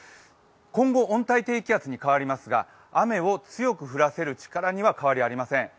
今後、温帯低気圧に変わりますが雨を強く降らせる力には変わりありません。